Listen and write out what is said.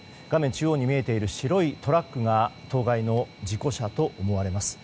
中央に見えている白いトラックが当該の事故車と思われます。